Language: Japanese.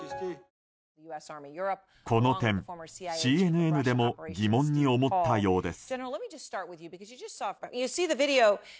この点、ＣＮＮでも疑問に思ったようです。